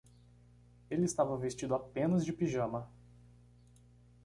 Ele estava vestido apenas de pijama.